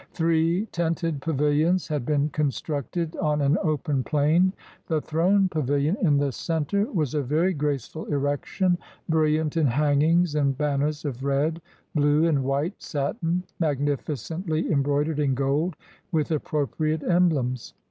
Three tented pavilions 187 INDIA had been constructed on an open plain. The throne pavilion in the center was a very graceful erection, bril liant in hangings and banners of red, blue, and white satin magnificently embroidered in gold with appropri ate emblems.